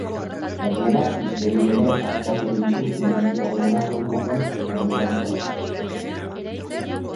Gainera, beste bi ere artatu ditu industrigunera joan den anbulantzia batek.